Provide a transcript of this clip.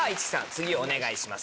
次お願いします。